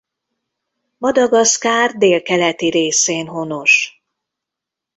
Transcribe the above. Madagaszkár délkeleti részén honos.